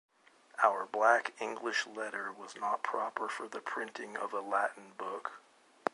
Our black English letter was not proper for the printing of a Latin book.